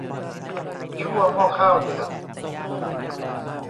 ชั่วหม้อข้าวเดือด